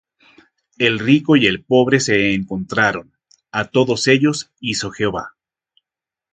El rico y el pobre se encontraron: A todos ellos hizo Jehová.